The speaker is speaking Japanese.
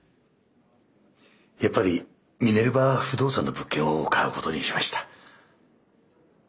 やっぱりミネルヴァ不動産の物件を買うことにしました。